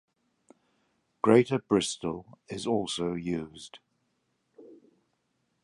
"Greater Bristol" is also used.